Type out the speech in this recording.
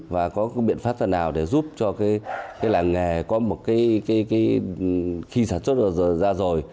và có biện pháp nào để giúp cho cái làng nghề có một cái khi sản xuất ra rồi